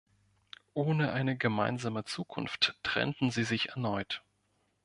Ohne eine gemeinsame Zukunft trennten sie sich erneut.